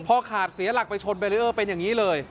พอขาดเสียหลักไปชนเบรีเออร์เป็นอย่างนี้เลย